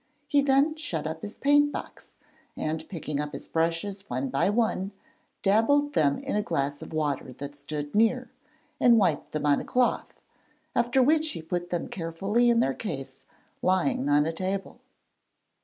He then shut up his paint box, and picking up his brushes one by one dabbled them in a glass of water that stood near, and wiped them on a cloth, after which he put them carefully in their case, lying on a table.